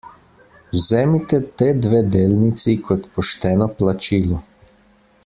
Vzemite te dve delnici kot pošteno plačilo.